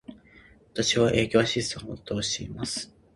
私は、営業アシスタントをしています。